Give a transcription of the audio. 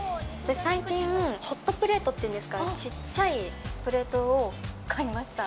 最近、ホットプレートっていうんですか、ちっちゃいプレートを買いました。